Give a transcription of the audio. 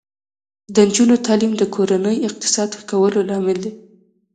د نجونو تعلیم د کورنۍ اقتصاد ښه کولو لامل دی.